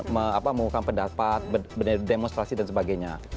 mengukam pendapat berdemonstrasi dan sebagainya